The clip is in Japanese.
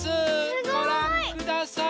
ごらんください。